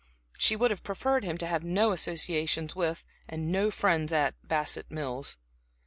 She would have preferred him to have no associations with, no friends at, Bassett Mills.